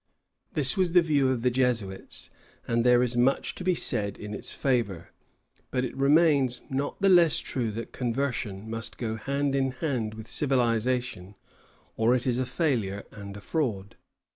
This was the view of the Jesuits, and there is much to be said in its favor; but it remains not the less true that conversion must go hand in hand with civilization, or it is a failure and a fraud.